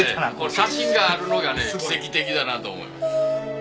写真があるのがね奇跡的だなと思います。